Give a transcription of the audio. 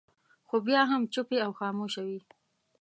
خو بیا هم چوپې او خاموشه وي.